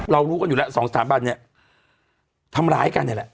รู้กันอยู่แล้วสองสถาบันเนี่ยทำร้ายกันเนี่ยแหละ